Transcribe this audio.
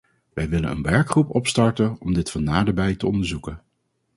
Wij willen een werkgroep opstarten om dit van naderbij te onderzoeken.